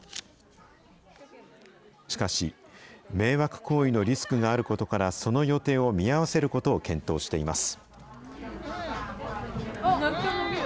しかし、迷惑行為のリスクがあることから、その予定を見合わせることを検討しています。